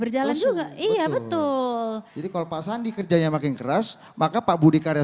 berjalan juga iya betul dikolok pasang di kerjanya makin keras maka pak budi karya